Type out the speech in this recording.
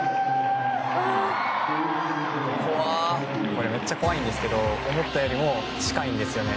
これめっちゃ怖いんですけど思ったよりも近いんですよね